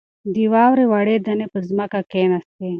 د واورې وړې دانې په ځمکه کښېناستې.